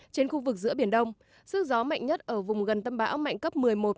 trên khu vực giữa biển đông sức gió mạnh nhất ở vùng gần tâm bão mạnh cấp một mươi một một mươi hai